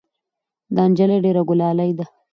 دا نجلۍ ډېره ګلالۍ ده.